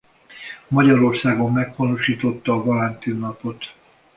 Magyarországon meghonosította a Valentin-napot.